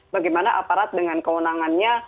bagaimana aparat dengan kewenangannya